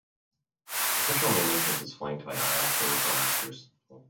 The central main entrance is flanked by ionic order pilasters.